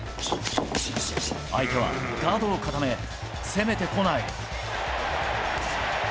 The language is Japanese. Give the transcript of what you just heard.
相手はガードを固め、攻めてこない。